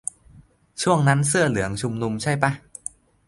ช่วงนั้นเสื้อเหลืองชุมนุมใช่ป่ะ